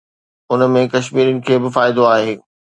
ان ۾ ڪشميرين کي به فائدو آهي.